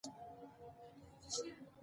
ښتې د افغانستان د ځایي اقتصادونو بنسټ دی.